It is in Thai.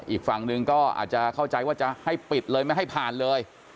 อีกฝั่งหนึ่งก็อาจจะเข้าใจว่าจะให้ปิดเลยไม่ให้ผ่านเลย